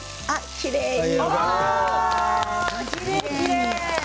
きれいに。